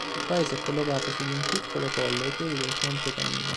Il paese è collocato su di un piccolo colle ai piedi del monte Camino.